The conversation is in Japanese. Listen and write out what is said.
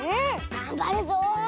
がんばるぞ！